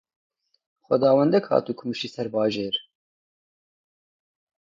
Xwedawendek hat û kumişî ser bajêr.